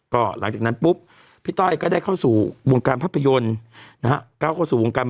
ก็หลังจากนั้นปุ๊บพี่ต้อยก็ได้เข้าสู่วงการภาพยนตร์นะฮะ